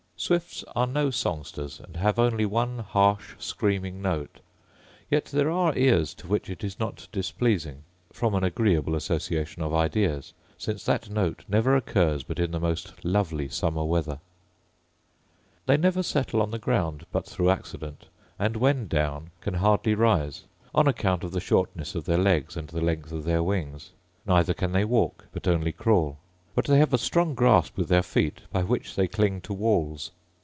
Swifts are no songsters, and have only one harsh screaming note; yet there are ears to which it is not displeasing, from an agreeable association of ideas, since that note never occurs but in the most lovely summer weather. They never settle on the ground but through accident; and when down can hardly rise, on account of the shortness of their legs and the length of their wings: neither can they walk, but only crawl; but they have a strong grasp with their feet, by which they cling to walls.